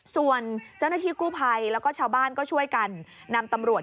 ส่วนเจ้าหน้าที่กู้ภัยแล้วก็ชาวบ้านก็ช่วยกันนำตำรวจ